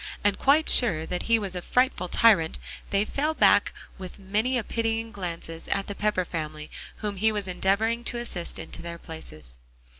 And quite sure that he was a frightful tyrant, they fell back with many a pitying glance at the Pepper family whom he was endeavoring to assist into their places.